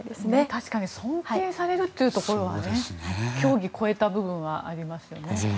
確かに尊敬されるというところは競技を超えた部分はありますね。